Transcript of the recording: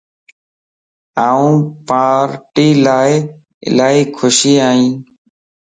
آن پار ٽيءَ لا الائي خوشي ائين